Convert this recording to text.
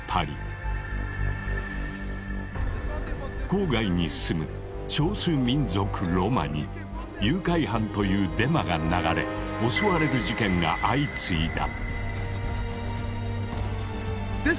郊外に住む少数民族ロマに「誘拐犯」というデマが流れ襲われる事件が相次いだ。